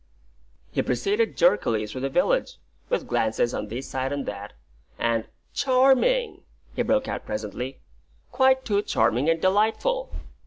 He proceeded jerkily through the village, with glances on this side and that; and "Charming," he broke out presently; "quite too charming and delightful!"